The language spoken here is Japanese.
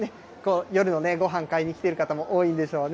夜のごはん買いに来ている方も多いんでしょうね。